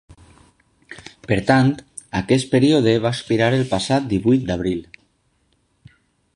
Per tant, aquest període va expirar el passat divuit d’abril.